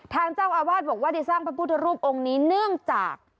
ทางเจ้าอาวาสบอกว่าได้สร้างพระพุทธรูปองค์นี้เนื่องจาก